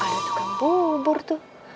aduh itu kan bubur tuh